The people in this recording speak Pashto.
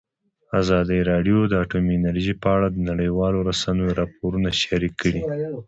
ازادي راډیو د اټومي انرژي په اړه د نړیوالو رسنیو راپورونه شریک کړي.